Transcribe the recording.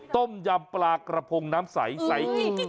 ต้มยำปลากระพงน้ำใสอิ่ม